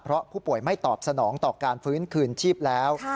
เพราะผู้ป่วยไม่ตอบสนองต่อการฟื้นคืนชีพแล้ว